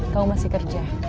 kamu masih kerja